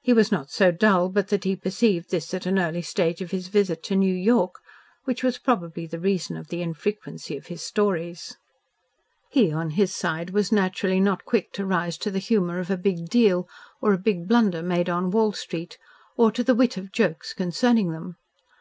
He was not so dull but that he perceived this at an early stage of his visit to New York, which was probably the reason of the infrequency of his stories. He on his side was naturally not quick to rise to the humour of a "big deal" or a big blunder made on Wall Street or to the wit of jokes concerning them.